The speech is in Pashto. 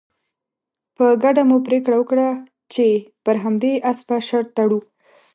په ګډه مو پرېکړه وکړه چې پر همدې اس به شرط تړو.